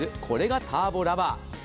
これがターボラバー。